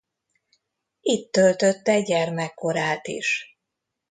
Itt töltötte gyermekkorát is.